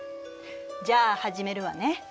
じゃあ始めるわね。